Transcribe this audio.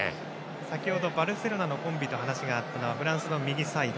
先程バルセロナのコンビとお話があったのはフランスの右サイド。